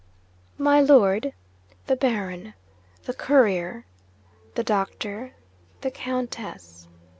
'My Lord. The Baron. The Courier. The Doctor. The Countess.